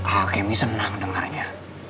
alkemi senang dengarnya